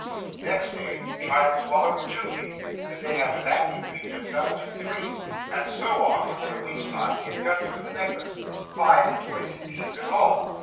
'Next day, child swallowed two beads; the day after that, he treated himself to three, and so on, till in a week's time he had got through the necklace five and twenty beads in all.